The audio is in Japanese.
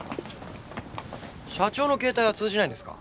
社長の携帯は通じないんですか？